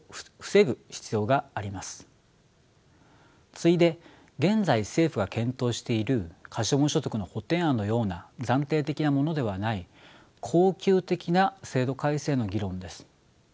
次いで現在政府が検討している可処分所得の補填案のような暫定的なものではない恒久的な制度改正の議論です。